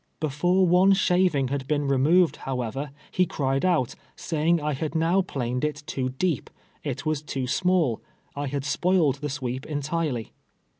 Before one sha ving had been removed, however, he cried out, say ing I had now jdaned it too deep — it was too small — I had spoiled the sweep entirely.